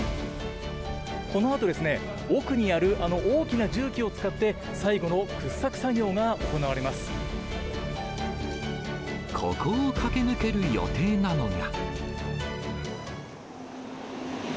このあと、奥にあるあの大きな重機を使って、ここを駆け抜ける予定なのが。